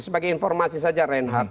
sebagai informasi saja reinhardt